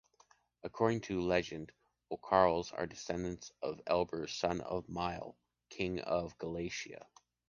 According to the legend, O’Carrolls are the descendants of Eber, son of Mile, king of Galicia.